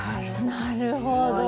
なるほど。